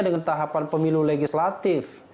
dengan tahapan pemilu legislatif